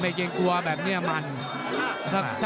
มันต้องอย่างงี้มันต้องอย่างงี้